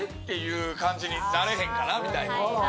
ていう感じになれへんかなみたいな。